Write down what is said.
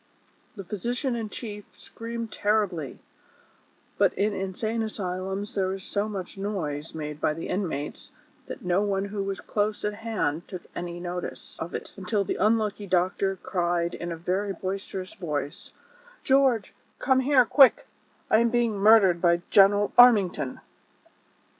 The physician in chief screamed terribly, but in insane asylums there is so much noise made by the inmates that no one who was close at hand took any notice of it ; until the unlucky doctor cried in a very boisterous voice : ''George, come here, quick; I am being murdered by General Armington."